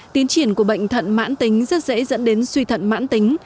tiến triển của bệnh thận mạng tính rất dễ dẫn đến suy thận mạng tính